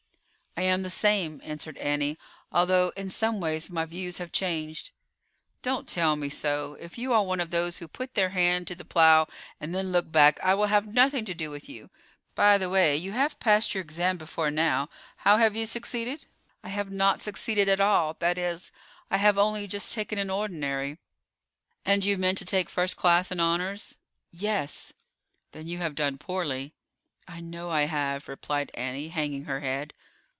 "I am the same," answered Annie; "although in some ways my views have changed." "Don't tell me so. If you are one of those who put their hand to the plough and then look back I will have nothing to do with you. By the way, you have passed your exam before now; how have you succeeded?" "I have not succeeded at all—that is, I have only just taken an ordinary." "And you meant to take a first class in honors?" "Yes." "Then you have done poorly." "I know I have," replied Annie, hanging her head.